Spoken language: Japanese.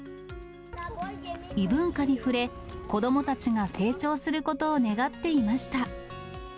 異文化に触れ、子どもたちが成長することを願っていました。